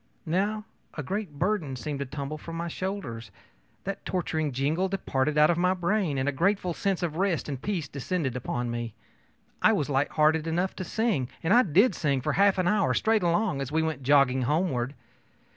Now a great burden seemed to tumble from my shoulders. That torturing jingle departed out of my brain, and a grateful sense of rest and peace descended upon me. I was light hearted enough to sing; and I did sing for half an hour, straight along, as we went jogging homeward.